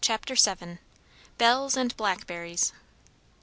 CHAPTER VII. BELLES AND BLACKBERRIES.